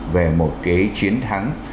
về một cái chiến thắng